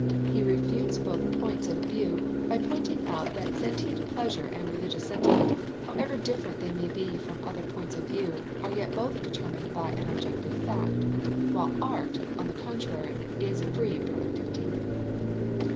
He refutes both points of view by pointing out that sentient pleasure and religious sentiment, however different they may be from other points of view, are yet both determined by an objective fact; while art, on the contrary, is free productivity.